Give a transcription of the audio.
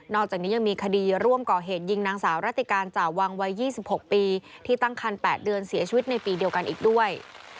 อกจากนี้ยังมีคดีร่วมก่อเหตุยิงนางสาวรัติการจ่าวังวัย๒๖ปีที่ตั้งคัน๘เดือนเสียชีวิตในปีเดียวกันอีกด้วย